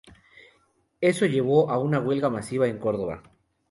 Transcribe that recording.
Eso llevó a una huelga masiva en Córdoba.